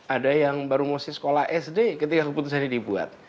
ada yang baru mau sekolah sd ketika keputusan ini dibuat